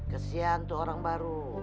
kesian tuh orang baru